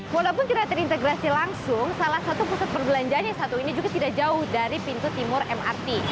walaupun tidak terintegrasi langsung salah satu pusat perbelanjaan yang satu ini juga tidak jauh dari pintu timur mrt